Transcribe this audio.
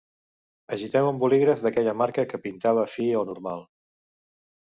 Agitem un bolígraf d'aquella marca que pintava fi o normal.